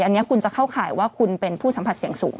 อันนี้คุณจะเข้าข่ายว่าคุณเป็นผู้สัมผัสเสี่ยงสูง